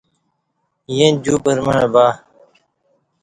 ییں دیو پرمع بہ